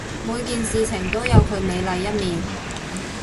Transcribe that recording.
每件事物都有佢美麗一面